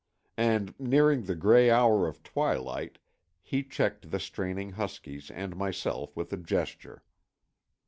And nearing the gray hour of twilight he checked the straining huskies and myself with a gesture.